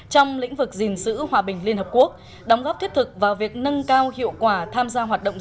trong lĩnh vực gìn giữ hòa bình liên hợp quốc đóng góp thiết thực vào việc nâng cao hiệu quả tham gia hoạt động